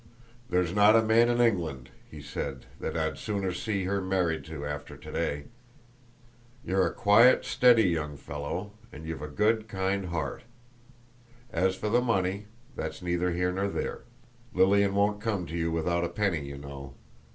"There's not a man in England," he said, "that I'd sooner see her married to after to day. You're a quiet, steady young fellow, and you've a good kind heart. As for the money, that's neither here nor there; Lilian won't come to you without a penny, you know.